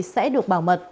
sẽ được bảo mật